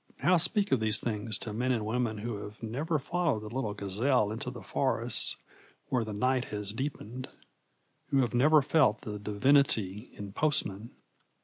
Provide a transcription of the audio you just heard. how speak of these things to men and women who have never followed the little gazelle into those forests where the night has deepened; who have never felt the divinity in postmen!